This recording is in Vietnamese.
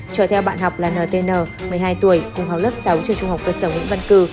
trở theo bạn học là ntn một mươi hai tuổi cùng học lớp sáu trường trung học cơ sở hữu văn cư